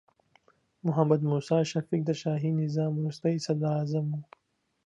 محمد موسی شفیق د شاهي نظام وروستې صدراعظم و.